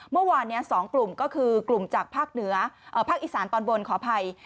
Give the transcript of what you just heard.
เมื่อวานนี้๒กลุ่มก็คือกลุ่มจากภาคเหนือภาคอีสานตอนบนขออภัย